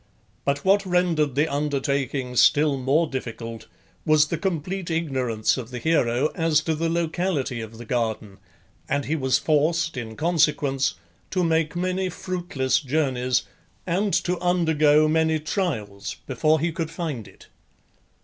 But what rendered the undertaking still more difficult was the complete ignorance of the hero as to the locality of the garden, and he was forced, in consequence, to make many fruitless journeys and to undergo many trials before he could find it.